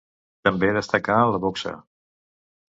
També destacà en la boxa.